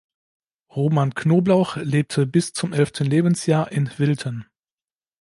Roman Knoblauch lebte bis zum elften Lebensjahr in Wilthen.